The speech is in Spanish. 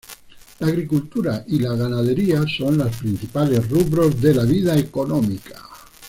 La agricultura y la ganadería son los principales rubros de la vida económica.